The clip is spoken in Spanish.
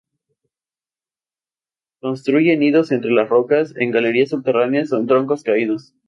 Construye nidos entre las rocas, en galerías subterráneas o en troncos caídos.